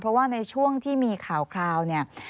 เพราะว่าในช่วงที่มีข่าว